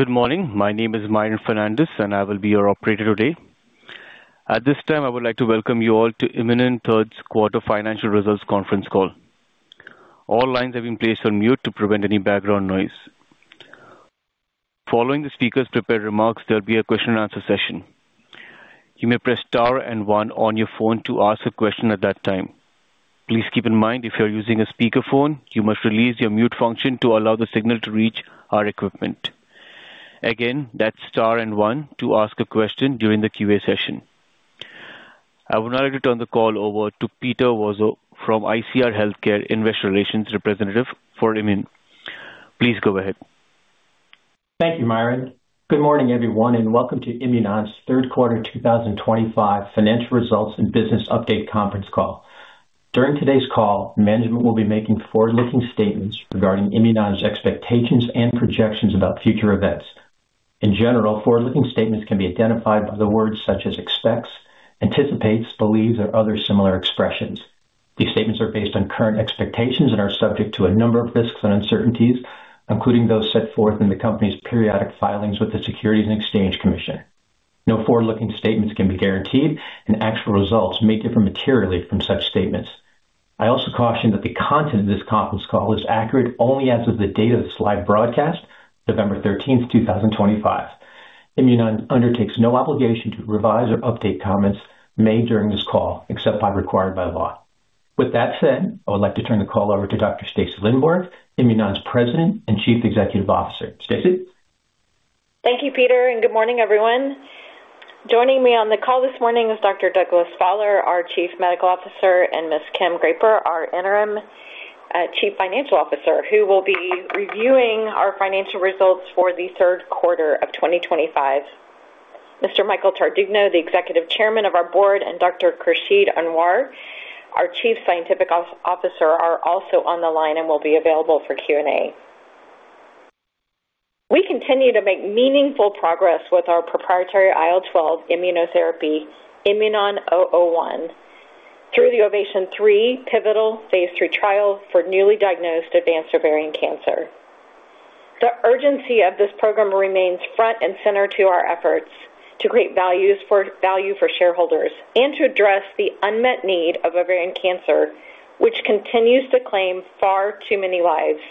Good morning. My name is Martin Fernandez, and I will be your operator today. At this time, I would like to welcome you all to the Imunon Third Quarter Financial Results Conference call. All lines have been placed on mute to prevent any background noise. Following the speaker's prepared remarks, there'll be a question-and-answer session. You may press star and one on your phone to ask a question at that time. Please keep in mind, if you're using a speakerphone, you must release your mute function to allow the signal to reach our equipment. Again, that's star and one to ask a question during the Q&A session. I would now like to turn the call over to Peter Vozzo from ICR Healthcare, Investor Relations Representative for Imunon. Please go ahead. Thank you, Myron. Good morning, everyone, and welcome to Imunon's Third Quarter 2025 Financial Results and Business Update Conference call. During today's call, management will be making forward-looking statements regarding Imunon's expectations and projections about future events. In general, forward-looking statements can be identified by the words such as expects, anticipates, believes, or other similar expressions. These statements are based on current expectations and are subject to a number of risks and uncertainties, including those set forth in the company's periodic filings with the Securities and Exchange Commission. No forward-looking statements can be guaranteed, and actual results may differ materially from such statements. I also caution that the content of this conference call is accurate only as of the date of this live broadcast, November 13th, 2025. Imunon undertakes no obligation to revise or update comments made during this call except as required by law. With that said, I would like to turn the call over to Dr. Stacy Lindborg, Imunon's President and Chief Executive Officer. Stacy. Thank you, Peter, and good morning, everyone. Joining me on the call this morning is Dr. Douglas Faller, our Chief Medical Officer, and Ms. Kim Graper, our Interim Chief Financial Officer, who will be reviewing our financial results for the third quarter of 2025. Mr. Michael Tardugno, the Executive Chairman of our board, and Dr. Khursheed Anwer, our Chief Scientific Officer, are also on the line and will be available for Q&A. We continue to make meaningful progress with our proprietary IL-12 immunotherapy, IMNN-001, through the OVATION three pivotal phase III trial for newly diagnosed advanced ovarian cancer. The urgency of this program remains front and center to our efforts to create value for shareholders and to address the unmet need of ovarian cancer, which continues to claim far too many lives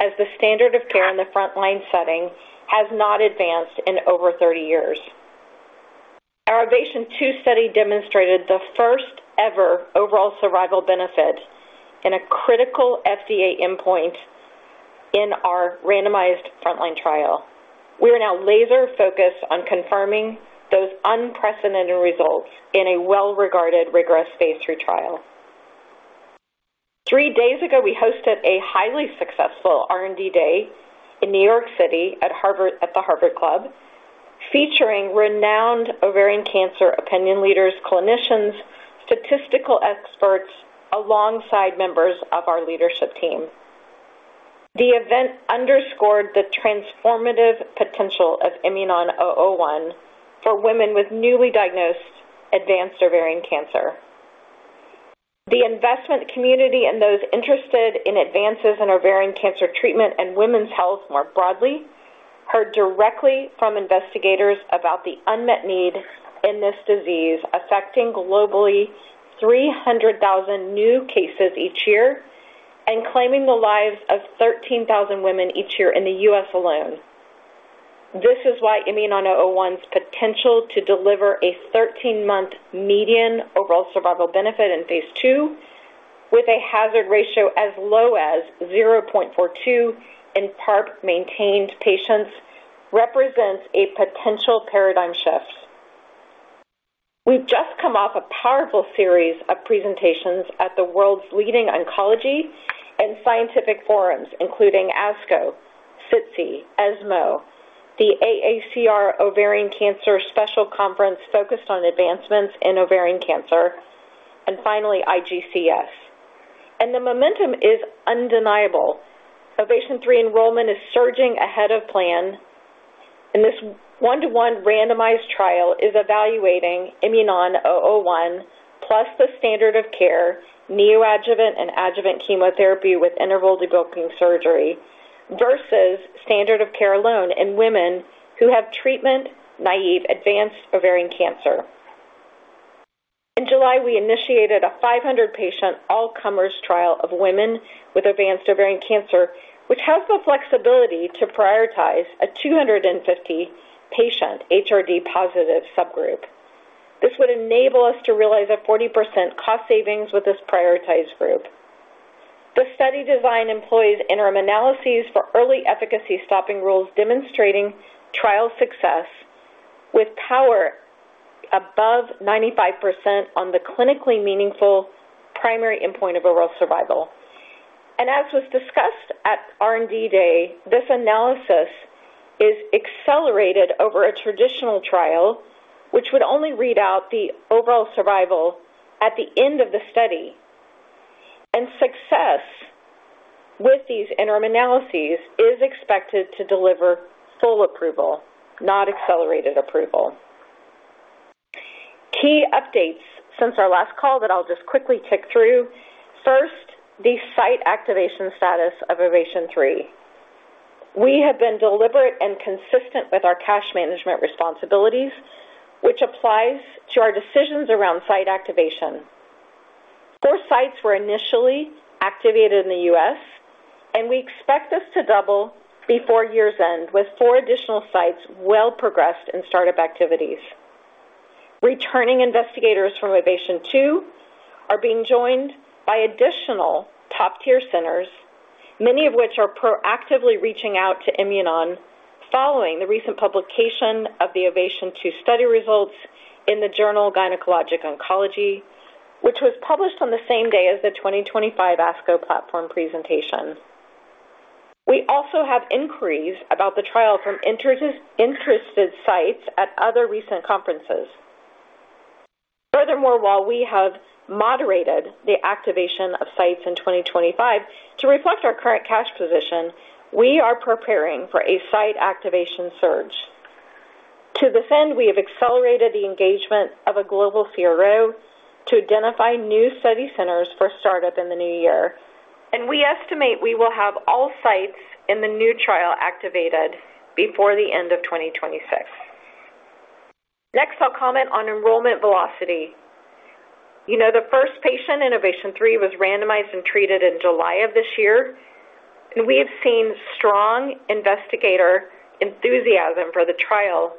as the standard of care in the frontline setting has not advanced in over 30 years. Our OVATION two study demonstrated the first-ever overall survival benefit in a critical FDA endpoint in our randomized frontline trial. We are now laser-focused on confirming those unprecedented results in a well-regarded, rigorous phase III trial. Three days ago, we hosted a highly successful R&D day in New York City at the Harvard Club, featuring renowned ovarian cancer opinion leaders, clinicians, statistical experts, alongside members of our leadership team. The event underscored the transformative potential of IMNN-001 for women with newly diagnosed advanced ovarian cancer. The investment community and those interested in advances in ovarian cancer treatment and women's health more broadly heard directly from investigators about the unmet need in this disease affecting globally 300,000 new cases each year and claiming the lives of 13,000 women each year in the U.S. alone. This is why IMNN-001's potential to deliver a 13-month median overall survival benefit in phase II, with a hazard ratio as low as 0.42 in PARP-maintained patients, represents a potential paradigm shift. We have just come off a powerful series of presentations at the world's leading oncology and scientific forums, including ASCO, SITC, ESMO, the AACR Ovarian Cancer Special Conference focused on advancements in ovarian cancer, and finally, IGCS. The momentum is undeniable. OVATION three enrollment is surging ahead of plan, and this one-to-one randomized trial is evaluating IMNN-001 plus the standard of care, neoadjuvant and adjuvant chemotherapy with interval debulking surgery versus standard of care alone in women who have treatment-naive advanced ovarian cancer. In July, we initiated a 500-patient all-comers trial of women with advanced ovarian cancer, which has the flexibility to prioritize a 250-patient HRD-positive subgroup. This would enable us to realize a 40% cost savings with this prioritized group. The study design employs interim analyses for early efficacy stopping rules demonstrating trial success with power above 95% on the clinically meaningful primary endpoint of overall survival. As was discussed at R&D day, this analysis is accelerated over a traditional trial, which would only read out the overall survival at the end of the study. Success with these interim analyses is expected to deliver full approval, not accelerated approval. Key updates since our last call that I'll just quickly tick through. First, the site activation status of Ovation three. We have been deliberate and consistent with our cash management responsibilities, which applies to our decisions around site activation. Four sites were initially activated in the U.S., and we expect this to double before year's end with four additional sites well-progressed in startup activities. Returning investigators from OVATION two are being joined by additional top-tier centers, many of which are proactively reaching out to Imunon following the recent publication of the OVATION two study results in the Journal of Gynecologic Oncology, which was published on the same day as the 2025 ASCO platform presentation. We also have inquiries about the trial from interested sites at other recent conferences. Furthermore, while we have moderated the activation of sites in 2025 to reflect our current cash position, we are preparing for a site activation surge. To this end, we have accelerated the engagement of a global CRO to identify new study centers for startup in the new year, and we estimate we will have all sites in the new trial activated before the end of 2026. Next, I'll comment on enrollment velocity. You know, the first patient in OVATION three was randomized and treated in July of this year, and we have seen strong investigator enthusiasm for the trial,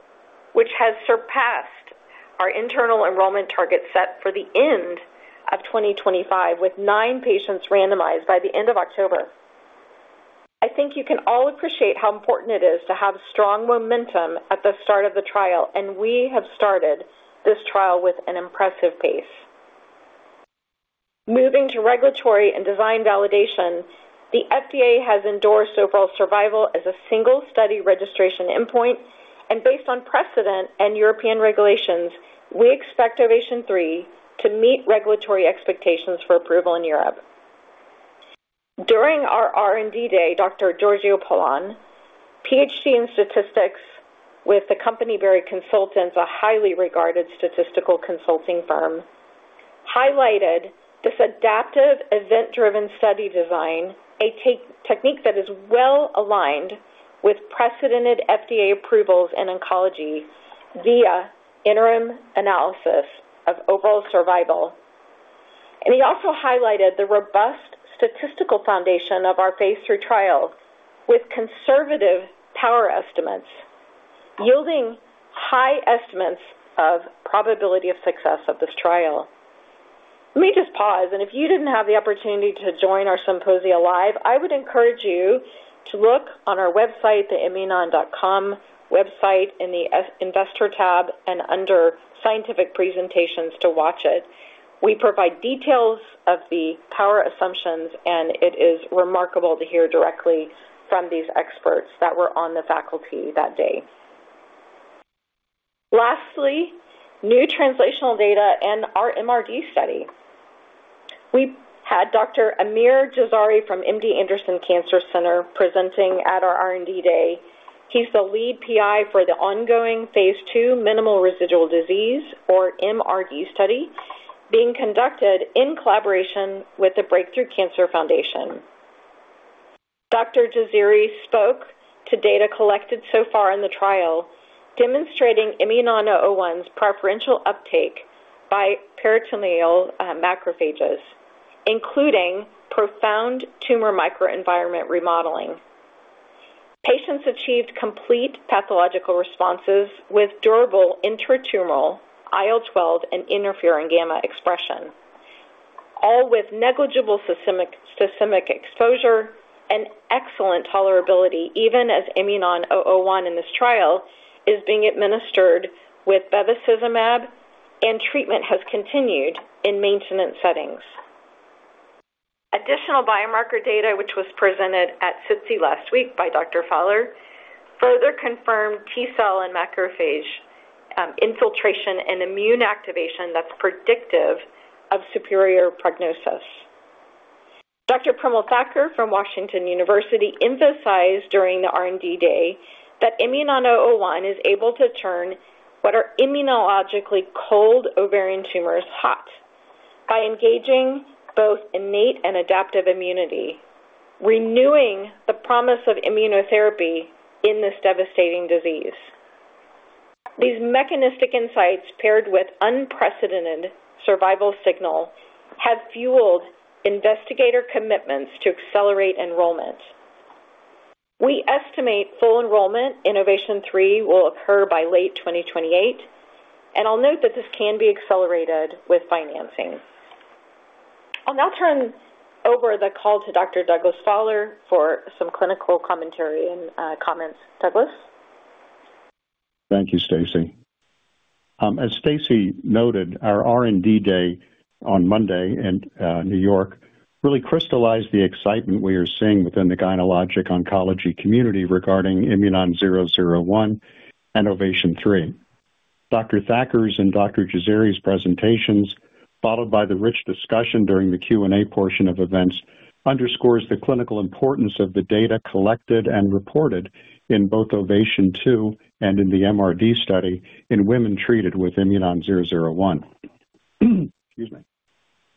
which has surpassed our internal enrollment target set for the end of 2025, with nine patients randomized by the end of October. I think you can all appreciate how important it is to have strong momentum at the start of the trial, and we have started this trial with an impressive pace. Moving to regulatory and design validation, the FDA has endorsed overall survival as a single study registration endpoint, and based on precedent and European regulations, we expect OVATION three to meet regulatory expectations for approval in Europe. During our R&D day, Dr. Giorgio Poloni, PhD in statistics with the company Berry Consultants, a highly regarded statistical consulting firm, highlighted this adaptive event-driven study design, a technique that is well-aligned with precedented FDA approvals in oncology via interim analysis of overall survival. He also highlighted the robust statistical foundation of our phase III trial with conservative power estimates, yielding high estimates of probability of success of this trial. Let me just pause, and if you did not have the opportunity to join our symposia live, I would encourage you to look on our website, the imunon.com website, in the Investor tab and under Scientific Presentations to watch it. We provide details of the power assumptions, and it is remarkable to hear directly from these experts that were on the faculty that day. Lastly, new translational data and our MRD study. We had Dr. Amir Jazari from MD Anderson Cancer Center presenting at our R&D day. He's the lead PI for the ongoing phase II minimal residual disease, or MRD study, being conducted in collaboration with the Breakthrough Cancer Foundation. Dr. Jazari spoke to data collected so far in the trial, demonstrating IMNN-001's preferential uptake by peritoneal macrophages, including profound tumor microenvironment remodeling. Patients achieved complete pathological responses with durable intratumoral IL-12 and interferon gamma expression, all with negligible systemic exposure and excellent tolerability, even as IMNN-001 in this trial is being administered with bevacizumab, and treatment has continued in maintenance settings. Additional biomarker data, which was presented at CITSI last week by Dr. Faller, further confirmed T-cell and macrophage infiltration and immune activation that's predictive of superior prognosis. Dr. Primal Thacker from Washington University emphasized during the R&D day that IMNN-001 is able to turn what are immunologically cold ovarian tumors hot by engaging both innate and adaptive immunity, renewing the promise of immunotherapy in this devastating disease. These mechanistic insights, paired with unprecedented survival signal, have fueled investigator commitments to accelerate enrollment. We estimate full enrollment in OVATION three will occur by late 2028, and I'll note that this can be accelerated with financing. I'll now turn over the call to Dr. Douglas Faller for some clinical commentary and comments. Douglas? Thank you, Stacy. As Stacy noted, our R&D day on Monday in New York really crystallized the excitement we are seeing within the gynecologic oncology community regarding IMNN-001 and OVATION three. Dr. Thacker's and Dr. Jazari's presentations, followed by the rich discussion during the Q&A portion of events, underscores the clinical importance of the data collected and reported in both OVATION two and in the MRD study in women treated with IMNN-001. Excuse me.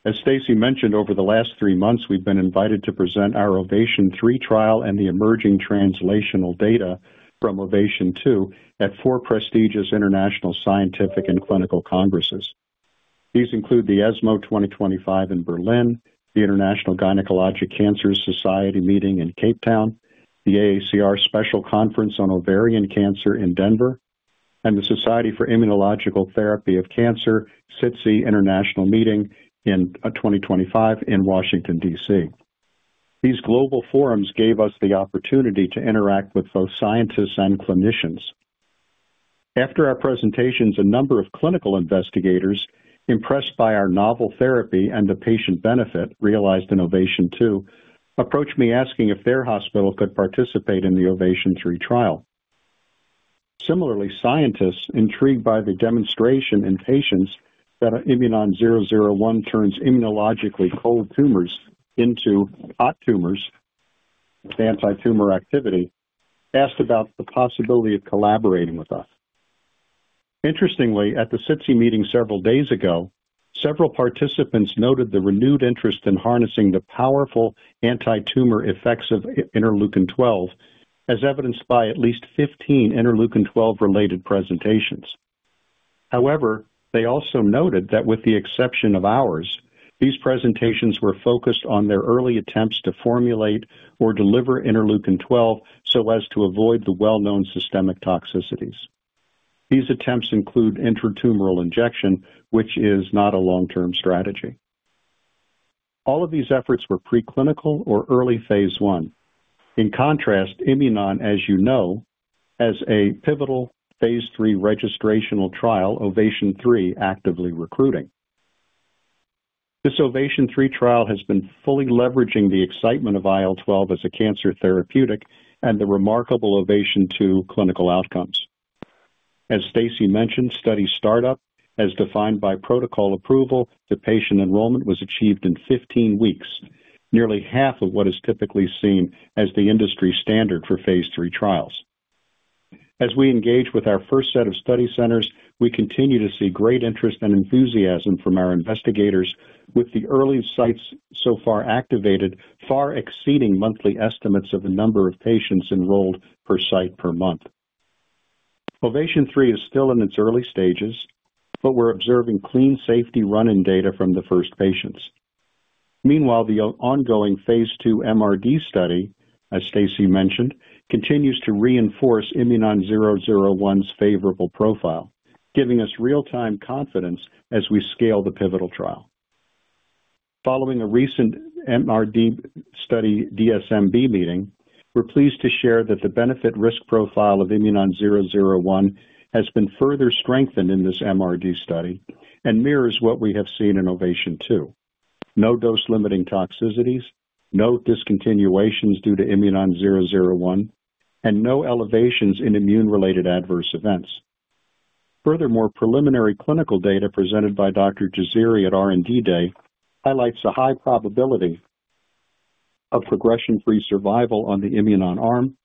As Stacy mentioned, over the last three months, we've been invited to present our OVATION three trial and the emerging translational data from OVATION two at four prestigious international scientific and clinical congresses. These include the ESMO 2025 in Berlin, the International Gynecologic Cancer Society meeting in Cape Town, the AACR Special Conference on Ovarian Cancer in Denver, and the Society for Immunological Therapy of Cancer CITSI International meeting in 2025 in Washington, D.C. These global forums gave us the opportunity to interact with both scientists and clinicians. After our presentations, a number of clinical investigators, impressed by our novel therapy and the patient benefit realized in OVATION two, approached me asking if their hospital could participate in the OVATION three trial. Similarly, scientists intrigued by the demonstration in patients that IMNN-001 turns immunologically cold tumors into hot tumors with anti-tumor activity asked about the possibility of collaborating with us. Interestingly, at the CITSI meeting several days ago, several participants noted the renewed interest in harnessing the powerful anti-tumor effects of interleukin-12, as evidenced by at least 15 interleukin-12 related presentations. However, they also noted that with the exception of ours, these presentations were focused on their early attempts to formulate or deliver interleukin-12 so as to avoid the well-known systemic toxicities. These attempts include intratumoral injection, which is not a long-term strategy. All of these efforts were preclinical or early phase I. In contrast, Imunon, as you know, has a pivotal phase III registrational trial, OVATION three, actively recruiting. This OVATION three trial has been fully leveraging the excitement of IL-12 as a cancer therapeutic and the remarkable OVATION two clinical outcomes. As Stacy mentioned, study startup, as defined by protocol approval, to patient enrollment was achieved in 15 weeks, nearly half of what is typically seen as the industry standard for phase III trials. As we engage with our first set of study centers, we continue to see great interest and enthusiasm from our investigators, with the early sites so far activated far exceeding monthly estimates of the number of patients enrolled per site per month. OVATION three is still in its early stages, but we're observing clean safety run-in data from the first patients. Meanwhile, the ongoing phase II MRD study, as Stacy mentioned, continues to reinforce IMNN-001's favorable profile, giving us real-time confidence as we scale the pivotal trial. Following a recent MRD study DSMB meeting, we're pleased to share that the benefit-risk profile of IMNN-001 has been further strengthened in this MRD study and mirrors what we have seen in OVATION two: no dose-limiting toxicities, no discontinuations due to IMNN-001, and no elevations in immune-related adverse events. Furthermore, preliminary clinical data presented by Dr. Jazari at R&D day highlights a high probability of progression-free survival on the IMNN-001 arm,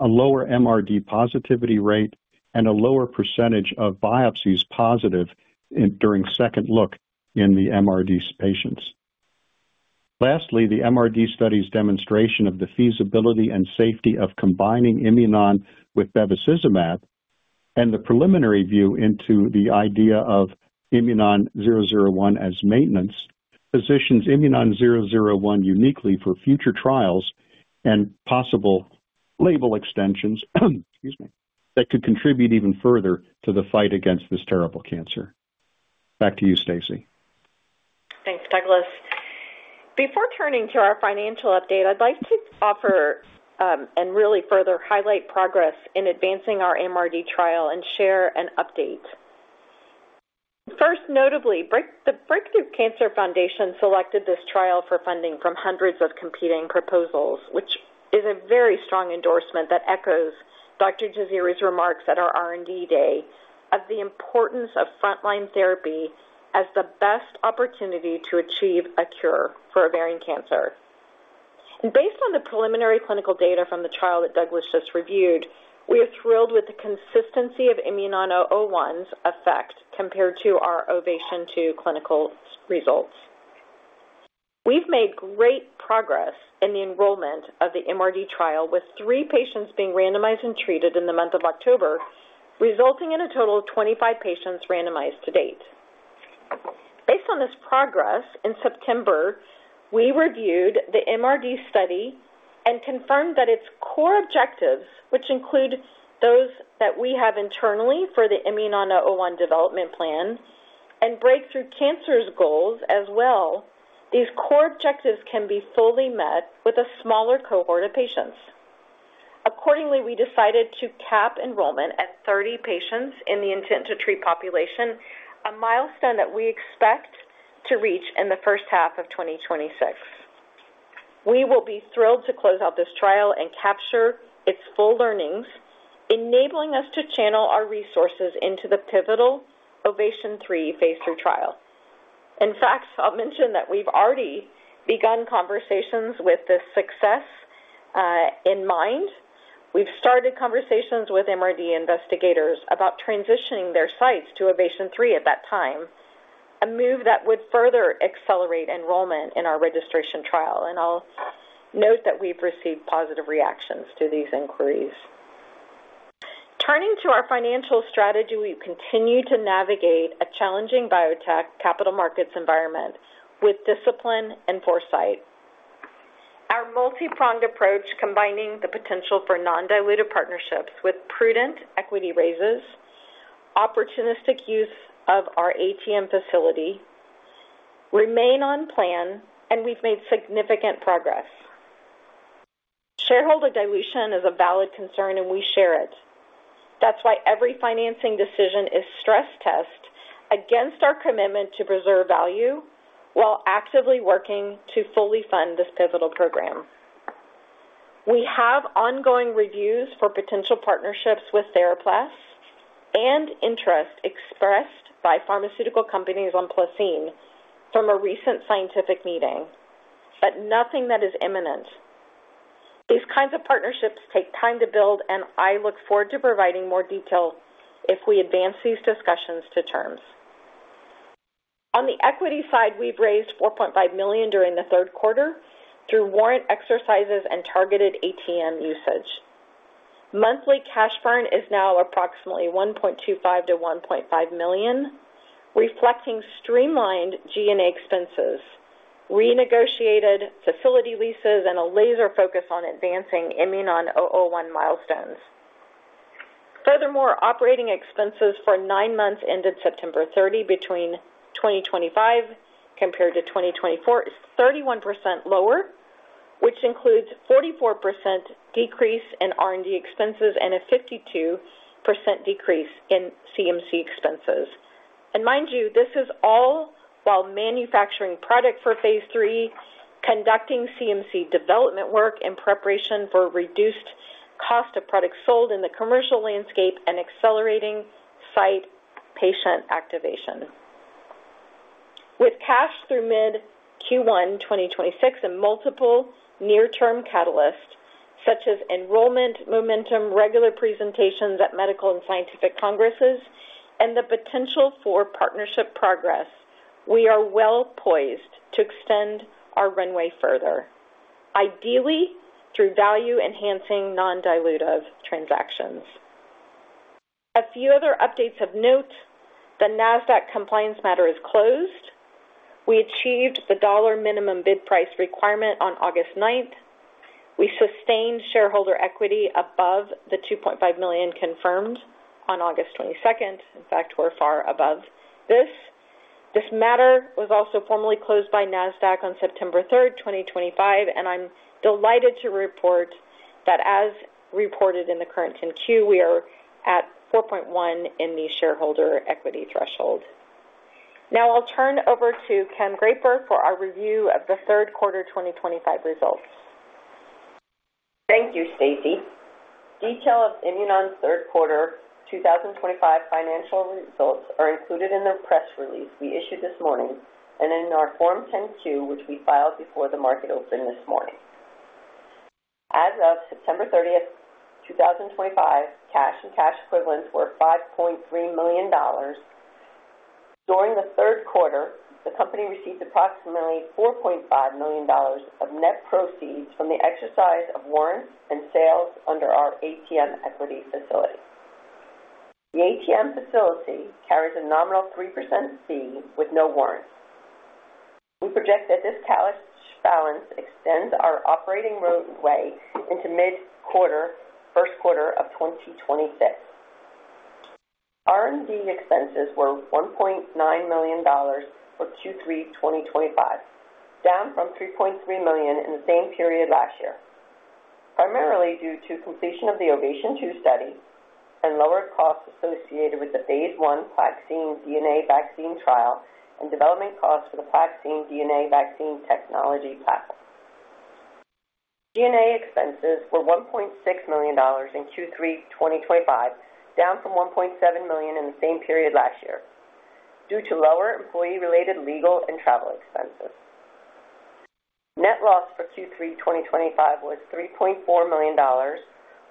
a lower MRD positivity rate, and a lower percentage of biopsies positive during second look in the MRD patients. Lastly, the MRD study's demonstration of the feasibility and safety of combining Imunon with bevacizumab and the preliminary view into the idea of IMNN-001 as maintenance positions IMNN-001 uniquely for future trials and possible label extensions that could contribute even further to the fight against this terrible cancer. Back to you, Stacy. Thanks, Douglas. Before turning to our financial update, I'd like to offer and really further highlight progress in advancing our MRD trial and share an update. First, notably, the Breakthrough Cancer Foundation selected this trial for funding from hundreds of competing proposals, which is a very strong endorsement that echoes Dr. Jazari's remarks at our R&D day of the importance of frontline therapy as the best opportunity to achieve a cure for ovarian cancer. Based on the preliminary clinical data from the trial that Douglas just reviewed, we are thrilled with the consistency of IMNN-001's effect compared to our OVATION two clinical results. We've made great progress in the enrollment of the MRD trial, with three patients being randomized and treated in the month of October, resulting in a total of 25 patients randomized to date. Based on this progress, in September, we reviewed the MRD study and confirmed that its core objectives, which include those that we have internally for the IMNN-001 development plan and Breakthrough Cancer Foundation's goals as well, these core objectives can be fully met with a smaller cohort of patients. Accordingly, we decided to cap enrollment at 30 patients in the intent-to-treat population, a milestone that we expect to reach in the first half of 2026. We will be thrilled to close out this trial and capture its full learnings, enabling us to channel our resources into the pivotal OVATION three phase III trial. In fact, I'll mention that we've already begun conversations with this success in mind. We've started conversations with MRD investigators about transitioning their sites to OVATION three at that time, a move that would further accelerate enrollment in our registration trial. I'll note that we've received positive reactions to these inquiries. Turning to our financial strategy, we continue to navigate a challenging biotech capital markets environment with discipline and foresight. Our multi-pronged approach, combining the potential for non-dilutive partnerships with prudent equity raises, opportunistic use of our ATM facility, remains on plan, and we've made significant progress. Shareholder dilution is a valid concern, and we share it. That's why every financing decision is a stress test against our commitment to preserve value while actively working to fully fund this pivotal program. We have ongoing reviews for potential partnerships with Theraplast and interest expressed by pharmaceutical companies on PlaCCine from a recent scientific meeting, but nothing that is imminent. These kinds of partnerships take time to build, and I look forward to providing more detail if we advance these discussions to terms. On the equity side, we've raised $4.5 million during the third quarter through warrant exercises and targeted ATM usage. Monthly cash burn is now approximately $1.25-$1.5 million, reflecting streamlined G&A expenses, renegotiated facility leases, and a laser focus on advancing IMNN-001 milestones. Furthermore, operating expenses for nine months ended September 30 between 2025 compared to 2024 is 31% lower, which includes a 44% decrease in R&D expenses and a 52% decrease in CMC expenses. Mind you, this is all while manufacturing product for phase III, conducting CMC development work in preparation for reduced cost of products sold in the commercial landscape, and accelerating site patient activation. With cash through mid-Q1 2026 and multiple near-term catalysts such as enrollment momentum, regular presentations at medical and scientific congresses, and the potential for partnership progress, we are well poised to extend our runway further, ideally through value-enhancing non-dilutive transactions. A few other updates of note: the NASDAQ compliance matter is closed. We achieved the dollar minimum bid price requirement on August 9th. We sustained shareholder equity above the $2.5 million confirmed on August 22nd. In fact, we're far above this. This matter was also formally closed by NASDAQ on September 3rd, 2025, and I'm delighted to report that, as reported in the current NQ, we are at $4.1 million in the shareholder equity threshold. Now I'll turn over to Kim Graper for our review of the third quarter 2025 results. Thank you, Stacy. Detail of Imunon's third quarter 2025 financial results are included in the press release we issued this morning and in our Form 10-Q, which we filed before the market opened this morning. As of September 30, 2025, cash and cash equivalents were $5.3 million. During the third quarter, the company received approximately $4.5 million of net proceeds from the exercise of warrants and sales under our ATM equity facility. The ATM facility carries a nominal 3% fee with no warrants. We project that this cash balance extends our operating runway into mid-quarter, first quarter of 2026. R&D expenses were $1.9 million for Q3 2025, down from $3.3 million in the same period last year, primarily due to completion of the OVATION two study and lower costs associated with the phase I PlaCCine DNA vaccine trial and development costs for the PlaCCine DNA vaccine technology platform. G&A expenses were $1.6 million in Q3 2025, down from $1.7 million in the same period last year due to lower employee-related legal and travel expenses. Net loss for Q3 2025 was $3.4 million,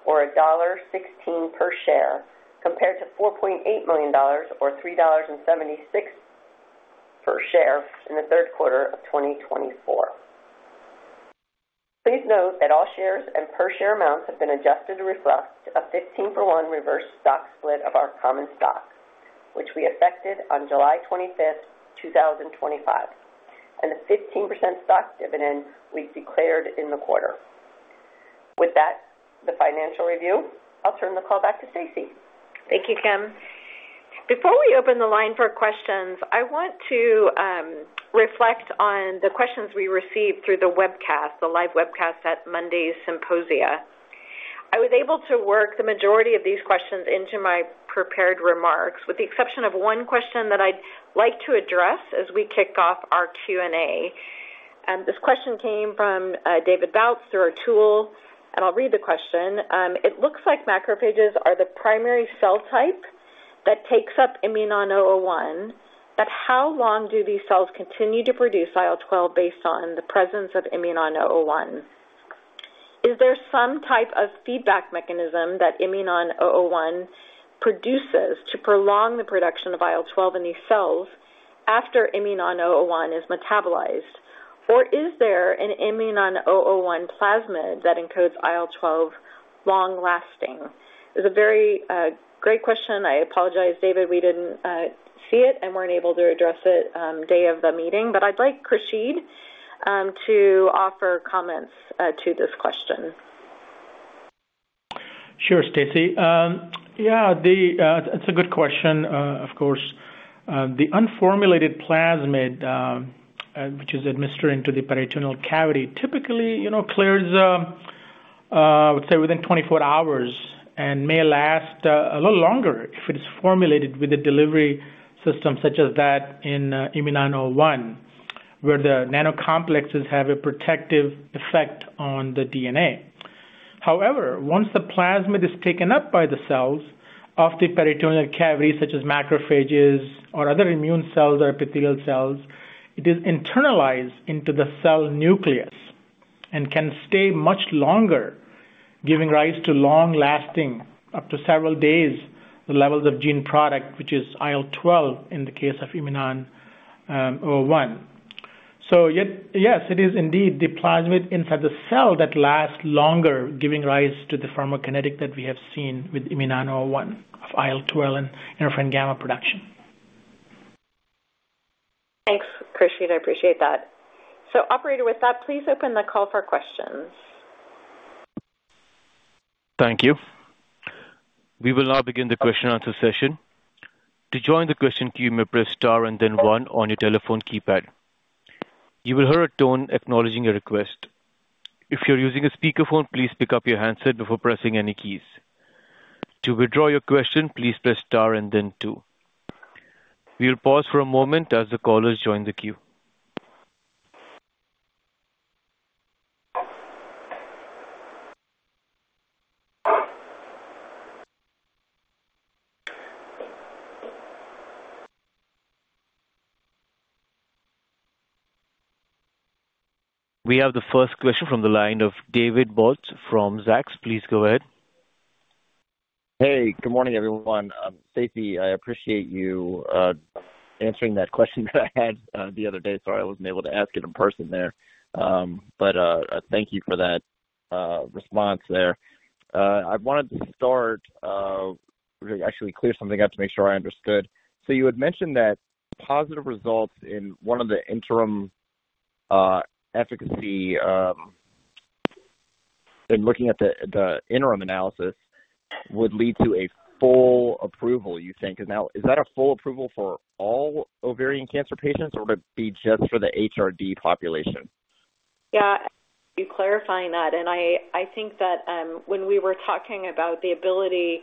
or $1.16 per share, compared to $4.8 million, or $3.76 per share in the third quarter of 2024. Please note that all shares and per-share amounts have been adjusted to reflect a 15-for-one reverse stock split of our common stock, which we effected on July 25th, 2025, and the 15% stock dividend we have declared in the quarter. With that, the financial review, I'll turn the call back to Stacy. Thank you, Kim. Before we open the line for questions, I want to reflect on the questions we received through the webcast, the live webcast at Monday's symposia. I was able to work the majority of these questions into my prepared remarks, with the exception of one question that I'd like to address as we kick off our Q&A. This question came from David Bouth through our tool, and I'll read the question. It looks like macrophages are the primary cell type that takes up IMNN-001, but how long do these cells continue to produce IL-12 based on the presence of IMNN-001? Is there some type of feedback mechanism that IMNN-001 produces to prolong the production of IL-12 in these cells after IMNN-001 is metabolized, or is there an IMNN-001 plasmid that encodes IL-12 long-lasting? It's a very great question. I apologize, David, we did not see it and were not able to address it day of the meeting, but I would like Khursheed to offer comments to this question. Sure, Stacy. Yeah, it's a good question, of course. The unformulated plasmid, which is administered into the peritoneal cavity, typically clears, I would say, within 24 hours and may last a little longer if it is formulated with a delivery system such as that in IMNN-001, where the nanocomplexes have a protective effect on the DNA. However, once the plasmid is taken up by the cells of the peritoneal cavity, such as macrophages or other immune cells or epithelial cells, it is internalized into the cell nucleus and can stay much longer, giving rise to long-lasting, up to several days, the levels of gene product, which is IL-12 in the case of IMNN-001. Yes, it is indeed the plasmid inside the cell that lasts longer, giving rise to the pharmacokinetic that we have seen with IMNN-001 of IL-12 and interferon gamma production. Thanks, Khursheed. I appreciate that. Operator, with that, please open the call for questions. Thank you. We will now begin the question-and-answer session. To join the question queue, you may press star and then one on your telephone keypad. You will hear a tone acknowledging your request. If you're using a speakerphone, please pick up your handset before pressing any keys. To withdraw your question, please press star and then two. We'll pause for a moment as the callers join the queue. We have the first question from the line of David Bouth from Zacks. Please go ahead. Hey, good morning, everyone. Stacy, I appreciate you answering that question that I had the other day. Sorry, I wasn't able to ask it in person there. Thank you for that response there. I wanted to start, actually clear something up to make sure I understood. You had mentioned that positive results in one of the interim efficacy in looking at the interim analysis would lead to a full approval, you think. Is that a full approval for all ovarian cancer patients, or would it be just for the HRD population? Yeah, you're clarifying that. I think that when we were talking about the ability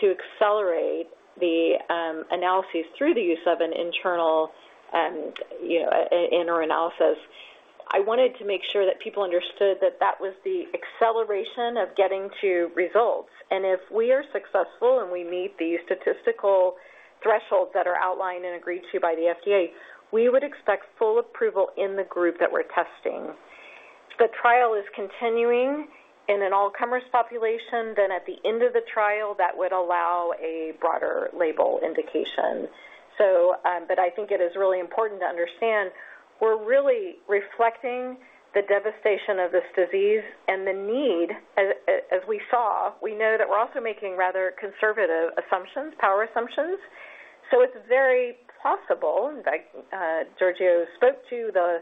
to accelerate the analyses through the use of an internal interim analysis, I wanted to make sure that people understood that that was the acceleration of getting to results. If we are successful and we meet the statistical thresholds that are outlined and agreed to by the FDA, we would expect full approval in the group that we're testing. The trial is continuing in an all-comers population, then at the end of the trial, that would allow a broader label indication. I think it is really important to understand we're really reflecting the devastation of this disease and the need, as we saw. We know that we're also making rather conservative assumptions, power assumptions. It is very possible, like Giorgio spoke to, the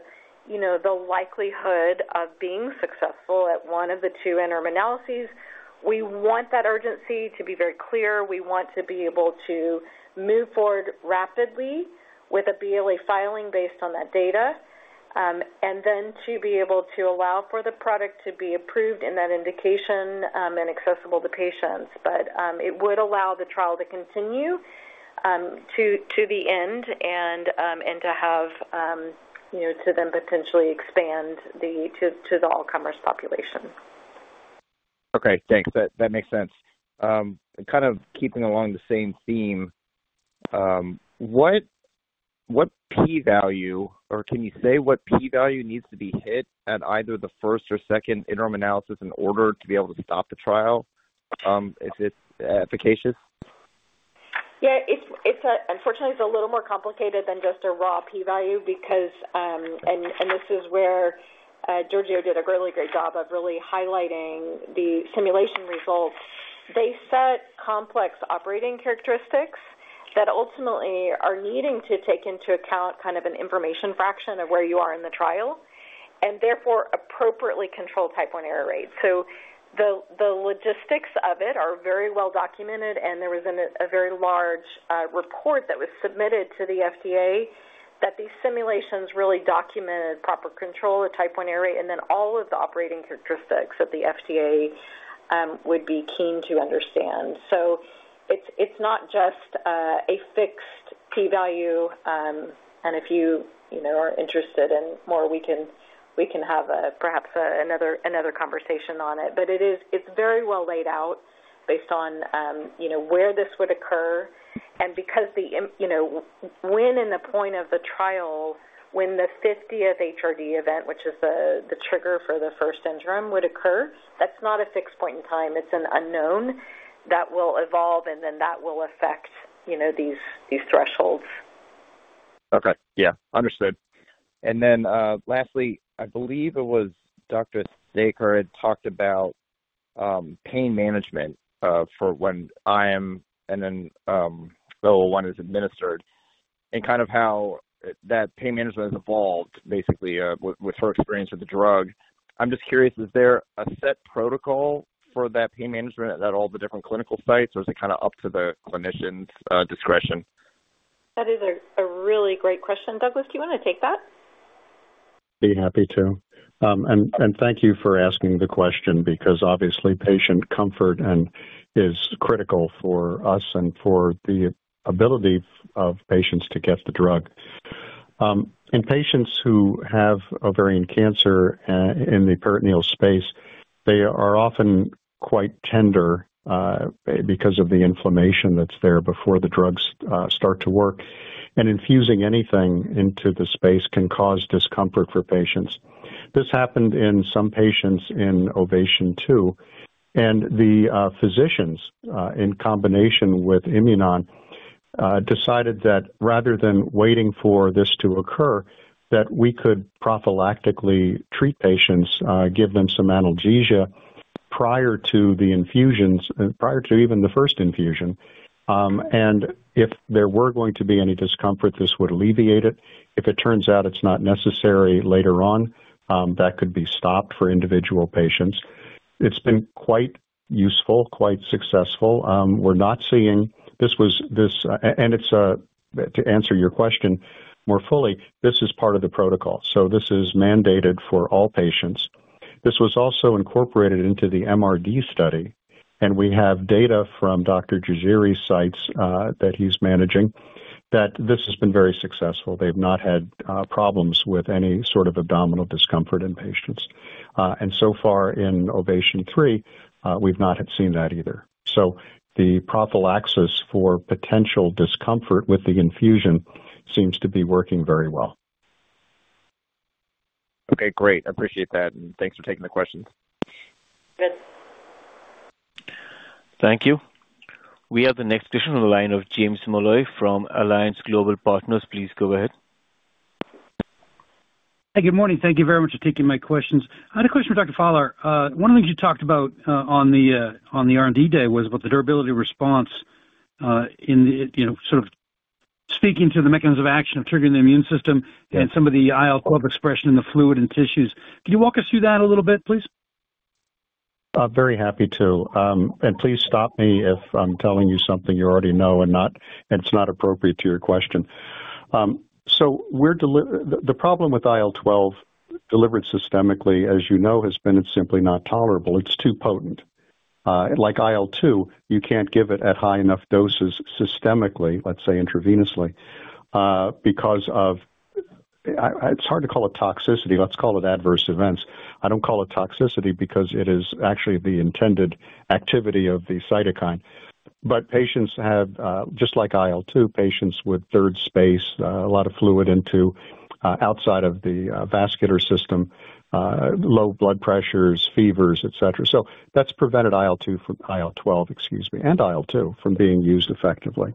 likelihood of being successful at one of the two interim analyses. We want that urgency to be very clear. We want to be able to move forward rapidly with a BLA filing based on that data, and then to be able to allow for the product to be approved in that indication and accessible to patients. It would allow the trial to continue to the end and to have to then potentially expand to the all-comers population. Okay, thanks. That makes sense. Kind of keeping along the same theme, what P-value, or can you say what P-value needs to be hit at either the first or second interim analysis in order to be able to stop the trial if it's efficacious? Yeah, unfortunately, it's a little more complicated than just a raw P-value, and this is where Giorgio did a really great job of really highlighting the simulation results. They set complex operating characteristics that ultimately are needing to take into account kind of an information fraction of where you are in the trial and therefore appropriately control type one error rate. The logistics of it are very well documented, and there was a very large report that was submitted to the FDA that these simulations really documented proper control of type one error rate, and then all of the operating characteristics that the FDA would be keen to understand. It's not just a fixed P-value, and if you are interested in more, we can have perhaps another conversation on it. It's very well laid out based on where this would occur. Because when in the point of the trial, when the 50th HRD event, which is the trigger for the first interim, would occur, that's not a fixed point in time. It's an unknown that will evolve, and then that will affect these thresholds. Okay. Yeah, understood. Lastly, I believe it was Dr. Hazard had talked about pain management for when IMNN-001 is administered and kind of how that pain management has evolved, basically, with her experience with the drug. I'm just curious, is there a set protocol for that pain management at all the different clinical sites, or is it kind of up to the clinician's discretion? That is a really great question. Douglas, do you want to take that? Be happy to. Thank you for asking the question because, obviously, patient comfort is critical for us and for the ability of patients to get the drug. In patients who have ovarian cancer in the peritoneal space, they are often quite tender because of the inflammation that is there before the drugs start to work. Infusing anything into the space can cause discomfort for patients. This happened in some patients in OVATION II, and the physicians, in combination with Imunon, decided that rather than waiting for this to occur, we could prophylactically treat patients, give them some analgesia prior to the infusions, prior to even the first infusion. If there were going to be any discomfort, this would alleviate it. If it turns out it is not necessary later on, that could be stopped for individual patients. It has been quite useful, quite successful. We're not seeing this was this, and it's, to answer your question more fully, this is part of the protocol. This is mandated for all patients. This was also incorporated into the MRD study, and we have data from Dr. Jaziri's sites that he's managing that this has been very successful. They've not had problems with any sort of abdominal discomfort in patients. In Ovation III, we've not seen that either. The prophylaxis for potential discomfort with the infusion seems to be working very well. Okay, great. I appreciate that, and thanks for taking the question. Thank you. We have the next question on the line of James Malloy from Alliance Global Partners. Please go ahead. Good morning. Thank you very much for taking my questions. I had a question for Dr. Faller. One of the things you talked about on the R&D day was about the durability response in sort of speaking to the mechanism of action of triggering the immune system and some of the IL-12 expression in the fluid and tissues. Can you walk us through that a little bit, please? Very happy to. Please stop me if I'm telling you something you already know and it's not appropriate to your question. The problem with IL-12 delivered systemically, as you know, has been it's simply not tolerable. It's too potent. Like IL-2, you can't give it at high enough doses systemically, let's say intravenously, because of its, it's hard to call it toxicity. Let's call it adverse events. I don't call it toxicity because it is actually the intended activity of the cytokine. Patients have, just like IL-2, patients with third space, a lot of fluid outside of the vascular system, low blood pressures, fevers, etc. That's prevented IL-12, excuse me, and IL-2 from being used effectively.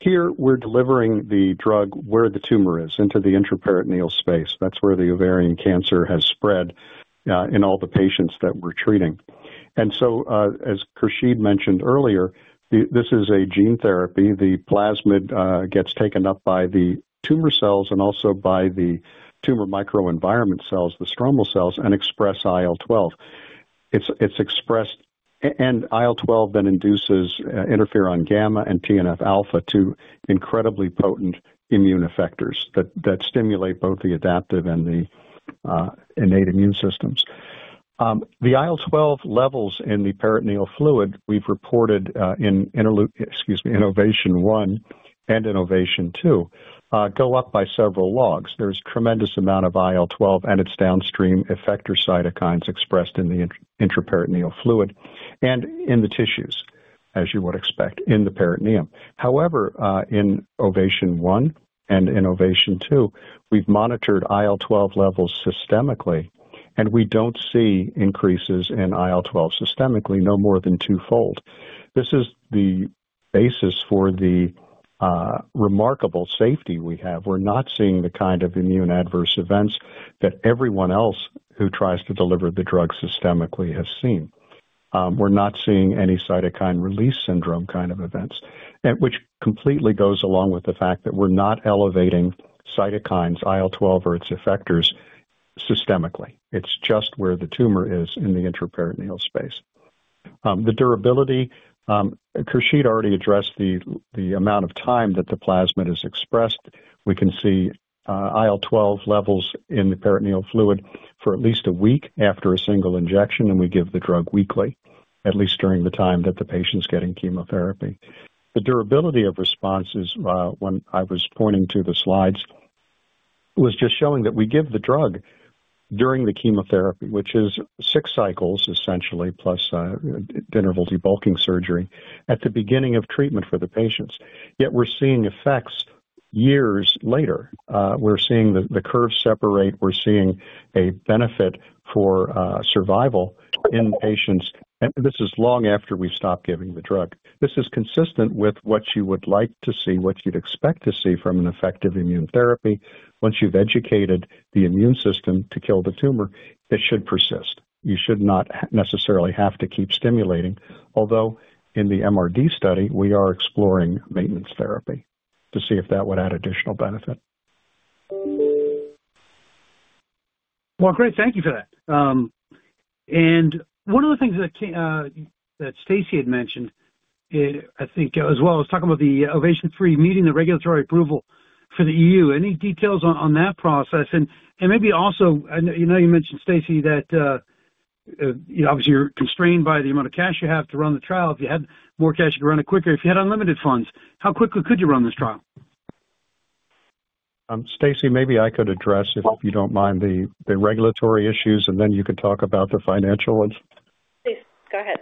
Here, we're delivering the drug where the tumor is, into the intraperitoneal space. That's where the ovarian cancer has spread in all the patients that we're treating. As Khursheed mentioned earlier, this is a gene therapy. The plasmid gets taken up by the tumor cells and also by the tumor microenvironment cells, the stromal cells, and express IL-12. IL-12 then induces interferon gamma and TNF alpha, two incredibly potent immune effectors that stimulate both the adaptive and the innate immune systems. The IL-12 levels in the peritoneal fluid we've reported in Ovation I and Ovation II go up by several logs. There's a tremendous amount of IL-12 and its downstream effector cytokines expressed in the intraperitoneal fluid and in the tissues, as you would expect, in the peritoneum. However, in Ovation I and in Ovation II, we've monitored IL-12 levels systemically, and we don't see increases in IL-12 systemically, no more than twofold. This is the basis for the remarkable safety we have. We're not seeing the kind of immune adverse events that everyone else who tries to deliver the drug systemically has seen. We're not seeing any cytokine release syndrome kind of events, which completely goes along with the fact that we're not elevating cytokines, IL-12 or its effectors, systemically. It's just where the tumor is in the intraperitoneal space. The durability, Khursheed already addressed the amount of time that the plasmid is expressed. We can see IL-12 levels in the peritoneal fluid for at least a week after a single injection, and we give the drug weekly, at least during the time that the patient's getting chemotherapy. The durability of responses, when I was pointing to the slides, was just showing that we give the drug during the chemotherapy, which is six cycles essentially, plus interval debulking surgery at the beginning of treatment for the patients. Yet we're seeing effects years later. We're seeing the curve separate. We're seeing a benefit for survival in patients. This is long after we've stopped giving the drug. This is consistent with what you would like to see, what you'd expect to see from an effective immune therapy. Once you've educated the immune system to kill the tumor, it should persist. You should not necessarily have to keep stimulating, although in the MRD study, we are exploring maintenance therapy to see if that would add additional benefit. Great. Thank you for that. One of the things that Stacy had mentioned, I think, as well as talking about the OVATION three meeting, the regulatory approval for the EU, any details on that process? Maybe also, I know you mentioned, Stacy, that obviously you are constrained by the amount of cash you have to run the trial. If you had more cash, you could run it quicker. If you had unlimited funds, how quickly could you run this trial? Stacy, maybe I could address, if you do not mind, the regulatory issues, and then you could talk about the financial ones. Please, go ahead.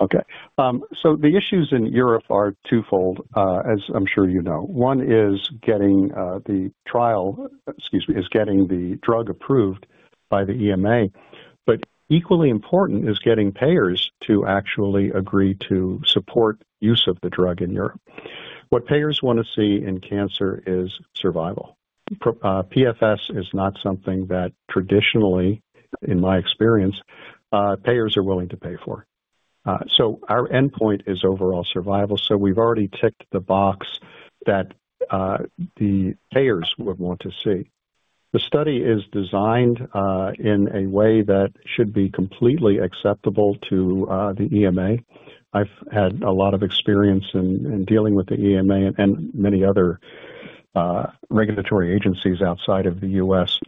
Okay. The issues in Europe are twofold, as I'm sure you know. One is getting the trial, excuse me, is getting the drug approved by the EMA. Equally important is getting payers to actually agree to support use of the drug in Europe. What payers want to see in cancer is survival. PFS is not something that traditionally, in my experience, payers are willing to pay for. Our endpoint is overall survival. We've already ticked the box that the payers would want to see. The study is designed in a way that should be completely acceptable to the EMA. I've had a lot of experience in dealing with the EMA and many other regulatory agencies outside of the U.S.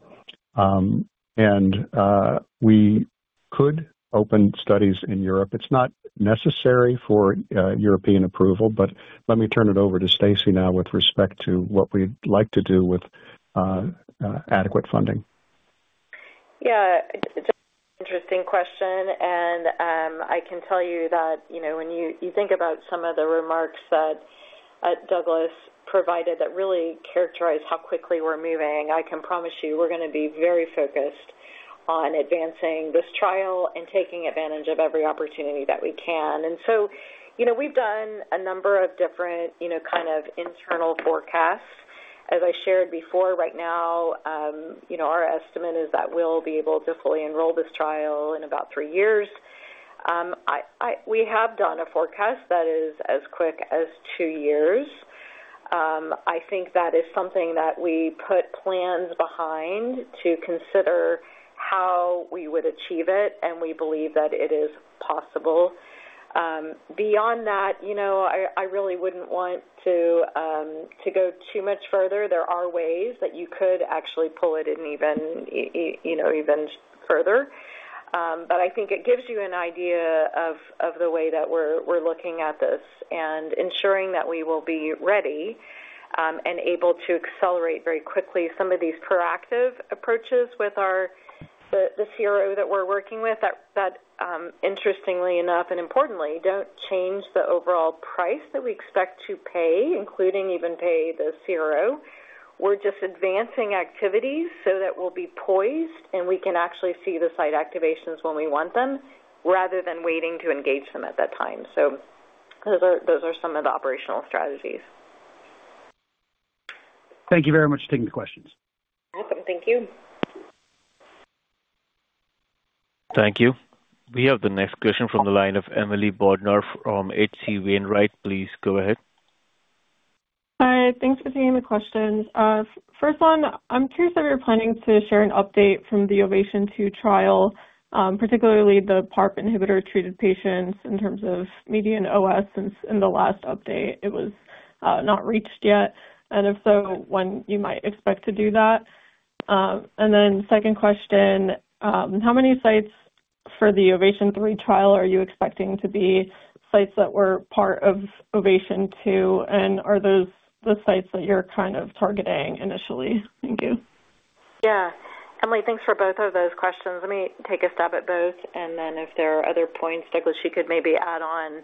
We could open studies in Europe. It's not necessary for European approval, but let me turn it over to Stacy now with respect to what we'd like to do with adequate funding. Yeah, it's an interesting question. I can tell you that when you think about some of the remarks that Douglas provided that really characterize how quickly we're moving, I can promise you we're going to be very focused on advancing this trial and taking advantage of every opportunity that we can. We've done a number of different kind of internal forecasts. As I shared before, right now, our estimate is that we'll be able to fully enroll this trial in about three years. We have done a forecast that is as quick as two years. I think that is something that we put plans behind to consider how we would achieve it, and we believe that it is possible. Beyond that, I really wouldn't want to go too much further. There are ways that you could actually pull it in even further. I think it gives you an idea of the way that we're looking at this and ensuring that we will be ready and able to accelerate very quickly some of these proactive approaches with the CRO that we're working with that, interestingly enough and importantly, do not change the overall price that we expect to pay, including even pay the CRO. We're just advancing activities so that we'll be poised and we can actually see the site activations when we want them, rather than waiting to engage them at that time. Those are some of the operational strategies. Thank you very much for taking the questions. Awesome. Thank you. Thank you. We have the next question from the line of Emily Bodnar from H.C. Wainwright. Please go ahead. Hi. Thanks for taking the questions. First one, I'm curious if you're planning to share an update from the OVATION two trial, particularly the PARP inhibitor-treated patients in terms of median OS since in the last update. It was not reached yet. If so, when you might expect to do that? Second question, how many sites for the OVATION three trial are you expecting to be sites that were part of OVATION two? Are those the sites that you're kind of targeting initially? Thank you. Yeah. Emily, thanks for both of those questions. Let me take a stab at both, and then if there are other points, Douglas, you could maybe add on.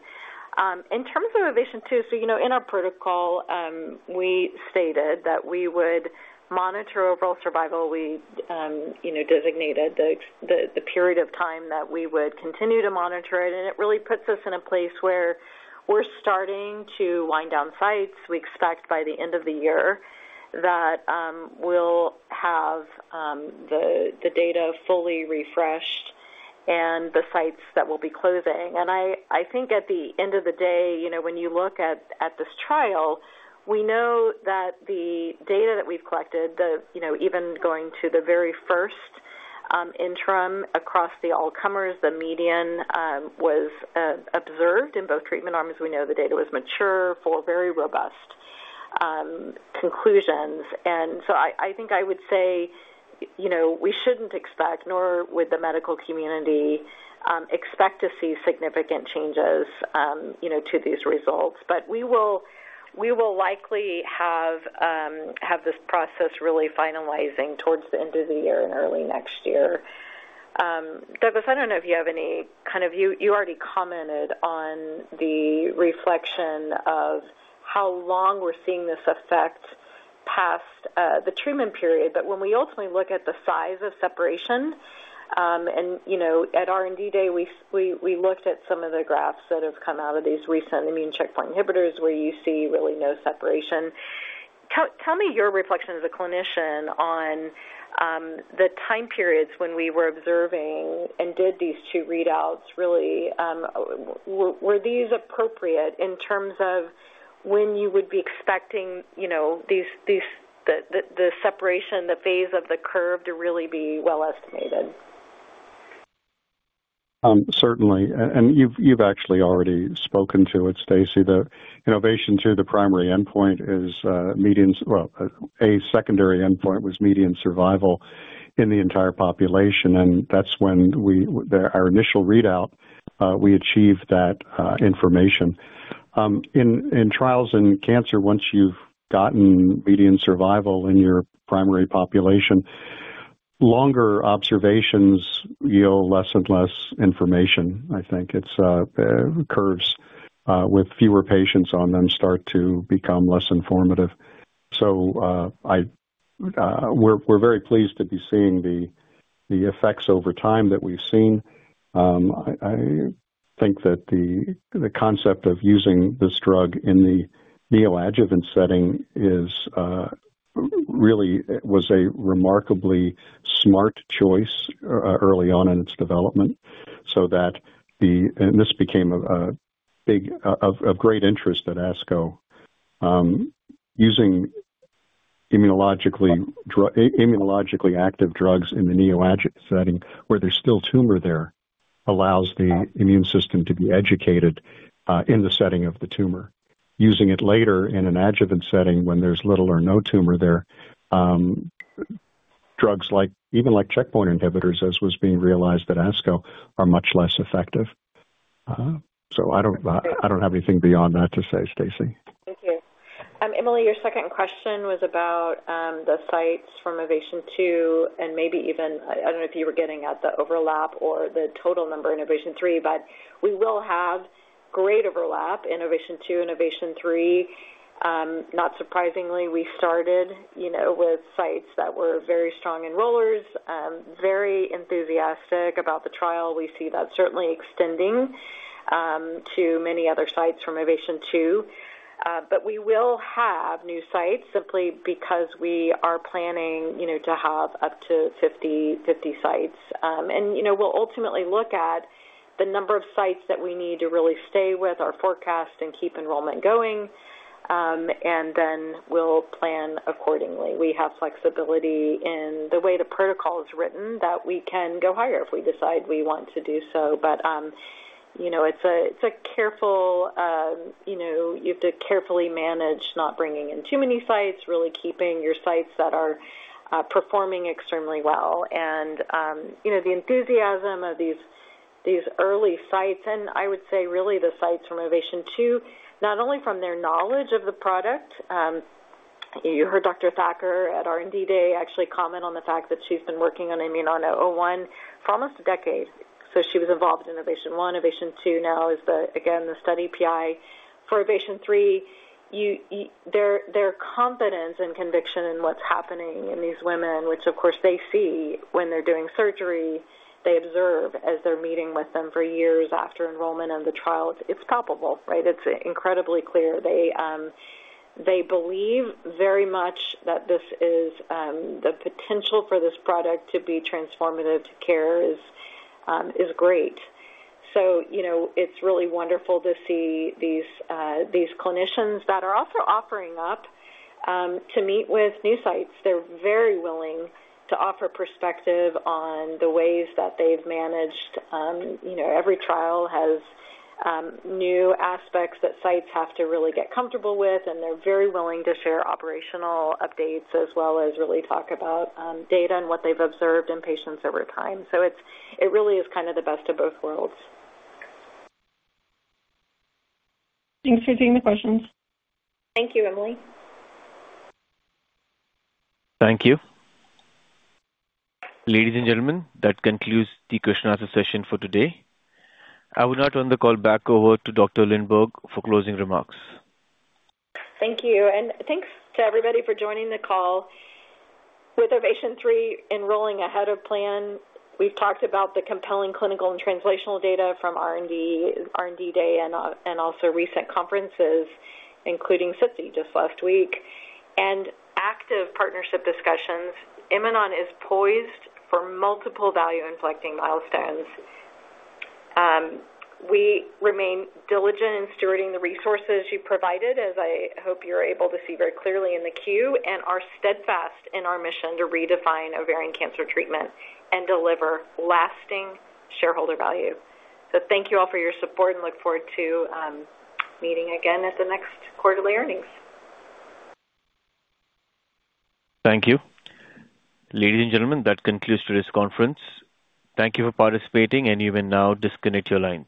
In terms of OVATION two, in our protocol, we stated that we would monitor overall survival. We designated the period of time that we would continue to monitor it. It really puts us in a place where we're starting to wind down sites. We expect by the end of the year that we'll have the data fully refreshed and the sites that will be closing. I think at the end of the day, when you look at this trial, we know that the data that we've collected, even going to the very first interim across the all-comers, the median was observed in both treatment arms. We know the data was mature for very robust conclusions. I think I would say we shouldn't expect, nor would the medical community expect to see significant changes to these results. We will likely have this process really finalizing towards the end of the year and early next year. Douglas, I don't know if you have any kind of—you already commented on the reflection of how long we're seeing this effect past the treatment period. When we ultimately look at the size of separation, and at R&D day, we looked at some of the graphs that have come out of these recent immune checkpoint inhibitors where you see really no separation. Tell me your reflection as a clinician on the time periods when we were observing and did these two readouts. Really, were these appropriate in terms of when you would be expecting the separation, the phase of the curve to really be well-estimated? Certainly. You have actually already spoken to it, Stacy, that in Ovation II, the primary endpoint is median, well, a secondary endpoint was median survival in the entire population. That is when our initial readout, we achieved that information. In trials in cancer, once you have gotten median survival in your primary population, longer observations yield less and less information, I think. Curves with fewer patients on them start to become less informative. We are very pleased to be seeing the effects over time that we have seen. I think that the concept of using this drug in the neoadjuvant setting really was a remarkably smart choice early on in its development. This became of great interest at ASCO. Using immunologically active drugs in the neoadjuvant setting where there is still tumor there allows the immune system to be educated in the setting of the tumor. Using it later in an adjuvant setting when there's little or no tumor there, drugs even like checkpoint inhibitors, as was being realized at ASCO, are much less effective. I don't have anything beyond that to say, Stacy. Thank you. Emily, your second question was about the sites from Ovation II and maybe even I do not know if you were getting at the overlap or the total number in Ovation III, but we will have great overlap in Ovation II and Ovation III. Not surprisingly, we started with sites that were very strong enrollers, very enthusiastic about the trial. We see that certainly extending to many other sites from Ovation II. We will have new sites simply because we are planning to have up to 50 sites. We will ultimately look at the number of sites that we need to really stay with our forecast and keep enrollment going. We will plan accordingly. We have flexibility in the way the protocol is written that we can go higher if we decide we want to do so. It's a careful, you have to carefully manage not bringing in too many sites, really keeping your sites that are performing extremely well. The enthusiasm of these early sites, and I would say really the sites from Ovation II, not only from their knowledge of the product. You heard Dr. Thacker at R&D day actually comment on the fact that she's been working on IMNN-001 for almost a decade. She was involved in Ovation I. Ovation II now is, again, the study PI for Ovation III. Their confidence and conviction in what's happening in these women, which of course they see when they're doing surgery, they observe as they're meeting with them for years after enrollment in the trial. It's palpable, right? It's incredibly clear. They believe very much that the potential for this product to be transformative to care is great. It's really wonderful to see these clinicians that are also offering up to meet with new sites. They're very willing to offer perspective on the ways that they've managed. Every trial has new aspects that sites have to really get comfortable with. They're very willing to share operational updates as well as really talk about data and what they've observed in patients over time. It really is kind of the best of both worlds. Thanks for taking the questions. Thank you, Emily. Thank you. Ladies and gentlemen, that concludes the question-and-answer session for today. I will now turn the call back over to Dr. Lindborg for closing remarks. Thank you. And thanks to everybody for joining the call. With OVATION three enrolling ahead of plan, we've talked about the compelling clinical and translational data from R&D day and also recent conferences, including SITC just last week. And active partnership discussions, Imunon is poised for multiple value-inflecting milestones. We remain diligent in stewarding the resources you provided, as I hope you're able to see very clearly in the queue, and are steadfast in our mission to redefine ovarian cancer treatment and deliver lasting shareholder value. So thank you all for your support and look forward to meeting again at the next quarterly earnings. Thank you. Ladies and gentlemen, that concludes today's conference. Thank you for participating, and you may now disconnect your lines.